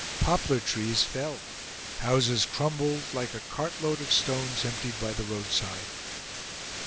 Poplar trees fell, houses crumbled, like a cartload of stones emptied by the roadside.